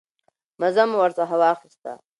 مزه مو ورڅخه واخیسته.